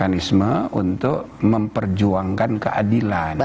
jadi proses itu memperjuangkan keadilan